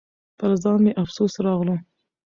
پر ځان مې افسوس راغلو .